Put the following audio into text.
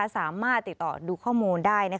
สามารถติดต่อดูข้อมูลได้